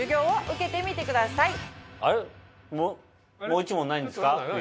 もう一問ないんですか？